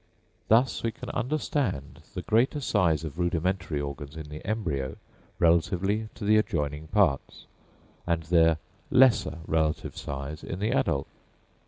Thus we can understand the greater size of rudimentary organs in the embryo relatively to the adjoining parts, and their lesser relative size in the adult.